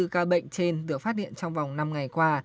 năm mươi bốn ca bệnh trên được phát hiện trong vòng năm ngày qua